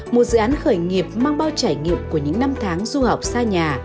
một dự án khởi nghiệp mang bao trải nghiệm của những năm tháng du học xa nhà